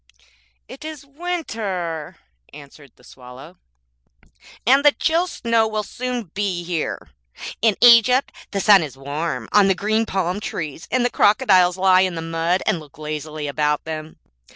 'It is winter,' answered the Swallow, and the chill snow will soon be here. In Egypt the sun is warm on the green palm trees, and the crocodiles lie in the mud and look lazily about them.